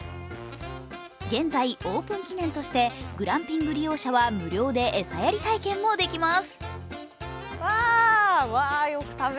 現在、オープン記念としてグランピング利用者は無料で餌やり体験もできます。